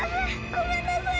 ごめんなさい！